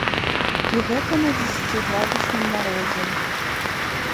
І гэта на дзесяціградусным марозе.